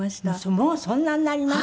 もうそんなになります？